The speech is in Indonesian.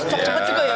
cepat cepat juga ya